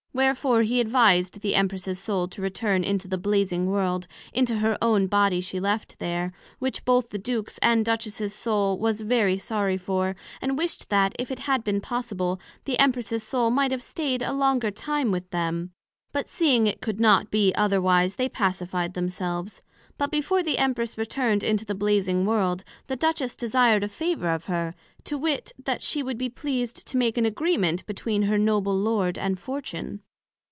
Wherefore he advised the Empress's Soul to return into the Blazing world, into her own Body she left there; which both the Duke's and Duchess's Soul was very sorry for, and wished that, if it had been possible, the Empress's Soul might have stayed a longer time with them; but seeing it could not be otherwise, they pacified themselves. But before the Empress returned into the Blazing world, the Duchess desired a Favour of her, to wit, That she would be pleased to make an Agreement between her Noble Lord, and Fortune.